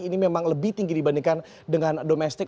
ini memang lebih tinggi dibandingkan dengan domestik